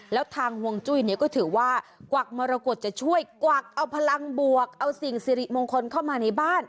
แล้วทางห่วงจุ้ยเนี่ยก็ถือว่ากวักมรกฏจะช่วยกวักเอาพลังบวกเอาสิ่งสิริมงคลเข้ามาในบ้าน